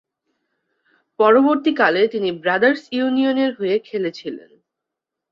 পরবর্তীকালে, তিনি ব্রাদার্স ইউনিয়নের হয়ে খেলেছিলেন।